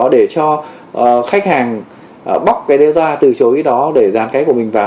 để cho khách hàng bóc cái đeo ra từ chối cái đó để dán cái của mình vào